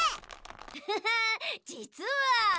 フフフッじつは。